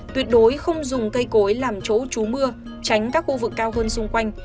tuyệt đối không dùng cây cối làm chỗ trú mưa tránh các khu vực cao hơn xung quanh